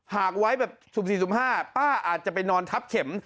หากไว้แบบ๐๔๐๕ป้าอาจจะไปนอนทับเข็ม